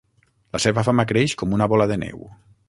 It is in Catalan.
La seva fama creix com una bola de neu.